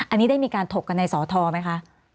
อันนี้ได้มีการถกกันในสอทรไหมคะ